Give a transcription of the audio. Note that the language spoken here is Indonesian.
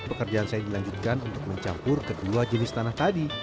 pekerjaan saya dilanjutkan untuk mencampur kedua jenis tanah tadi